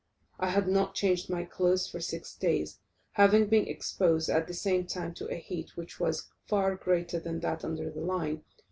I had not changed my clothes for six days, having been exposed, at the same time, to a heat which was far greater than that under the line.